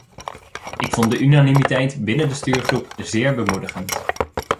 Ik vond de unanimiteit binnen de stuurgroep zeer bemoedigend.